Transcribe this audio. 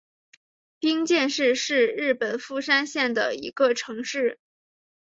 冰见市是日本富山县的一个城市。